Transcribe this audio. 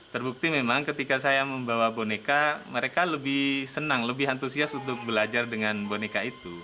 terbukti memang ketika saya membawa boneka mereka lebih senang lebih antusias untuk belajar dengan boneka itu